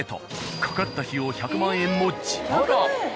かかった費用１００万円も自腹。